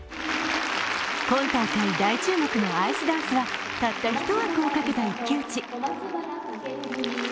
今大会、大注目のアイスダンスはたった１枠をかけた一騎打ち。